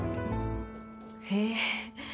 へえ。